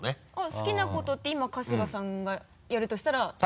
好きなことって今春日さんがやるとしたらどういう？